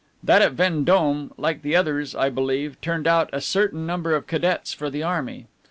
That at Vendome, like the others, I believe, turned out a certain number of cadets for the army.